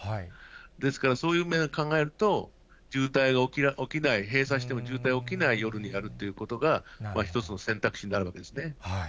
ですから、そういう面を考えると、渋滞が起きない、閉鎖しても渋滞が起きない夜にやるということが、一つの選択肢になるわけですね。